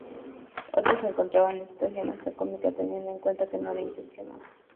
Otros, encontraban la situación hasta cómica teniendo en cuenta que no era intencionada.